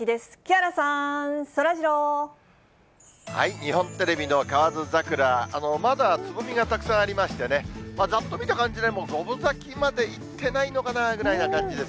日本テレビの河津桜、まだつぼみがたくさんありましてね、ざっと見た感じでも、５分咲きまでいってないのかなくらいの感じです。